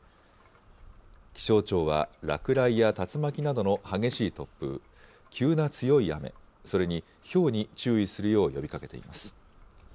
気象庁は落雷や竜巻などの激しい突風、急な強い雨、それにひょうに注意するよう呼びかけています。